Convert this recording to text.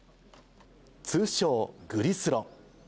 通称、グリスロ。